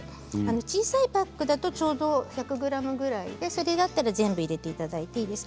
小さいパックだとちょうど１００ｇぐらいでそれだったら全部入れていただいていいです。